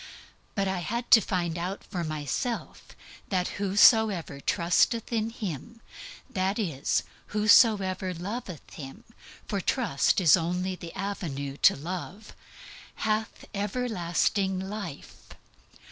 But I had to find out for myself that whosoever trusteth in Him that is, whosoever loveth Him, for trust is only the avenue to Love hath EVERLASTING LIFE.